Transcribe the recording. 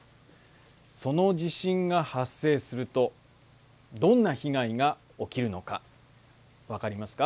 その地震が発生するとどんな被害が起きるのか分かりますか？